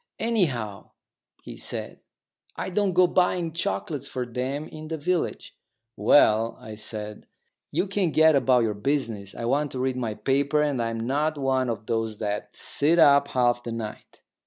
"Anyhow," he said, "I don't go buying chocolates for 'em in the village." "Well," I said, "you can get about your business. I want to read my paper, and I'm not one of those that sit up half the night."